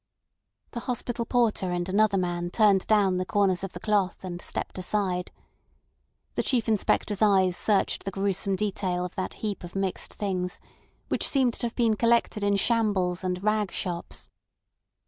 The hospital porter and another man turned down the corners of the cloth, and stepped aside. The Chief Inspector's eyes searched the gruesome detail of that heap of mixed things, which seemed to have been collected in shambles and rag shops.